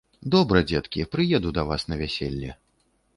Добра, дзеткі, прыеду да вас на вяселле.